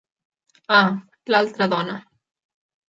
Ah, l'altra dona!